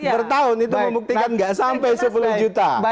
pertahun itu membuktikan tidak sampai sepuluh juta